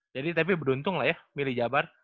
jadi tapi beruntung lah ya milih jabar